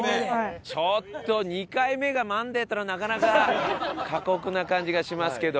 ちょっと２回目が『マンデー』っていうのはなかなか過酷な感じがしますけど。